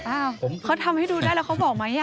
อ้าวเขาทำให้ดูได้แล้วเขาบอกไหม